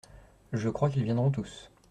Je crois qu’ils viendront tous.